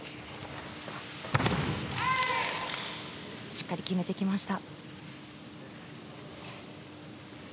しっかり決めてきました。